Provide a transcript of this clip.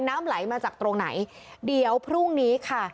น้ำไหลมาจากตรงไหนเดี๋ยวพรุ่งนี้ค่ะ